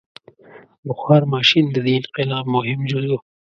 • بخار ماشین د دې انقلاب مهم جز و.